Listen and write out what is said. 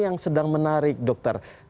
yang sedang menarik dokter